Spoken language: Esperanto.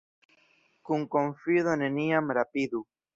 Kun konfido neniam rapidu.